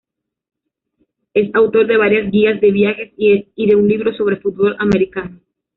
Es autor de varias guías de viajes y de un libro sobre fútbol americano.